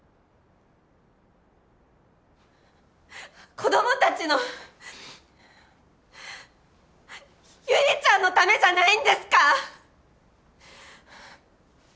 子どもたちの悠里ちゃんのためじゃないんですか！？